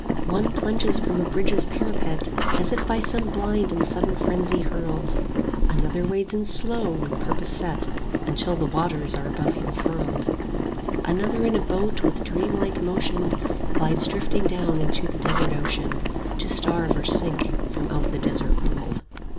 One plunges from a bridge's parapet, As if by some blind and sudden frenzy hurled; Another wades in slow with purpose set 10 Until the waters are above him furled; Another in a boat with dreamlike motion Glides drifting down into the desert ocean, To starve or sink from out the desert world.